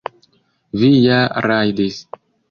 Vi ja rajdis!